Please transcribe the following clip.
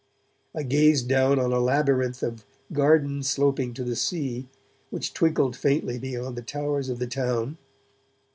I gazed down on a labyrinth of garden sloping to the sea, which twinkled faintly beyond the towers of the town.